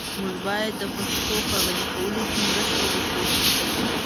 موږ بايد د پښتو په غني کولو کي مرسته وکړو.